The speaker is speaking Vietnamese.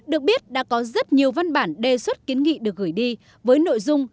được biết đã có rất nhiều văn bản đề xuất kiến nghị được gửi đi với nội dung